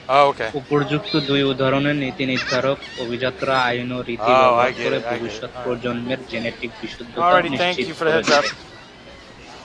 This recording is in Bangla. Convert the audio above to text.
উপর্যুক্ত দুই উদাহরণে নীতি নির্ধারক অভিজাতরা আইন ও রীতি ব্যবহার করে ভবিষ্যৎ প্রজন্মের জেনেটিক বিশুদ্ধতা নিশ্চিত করেছে।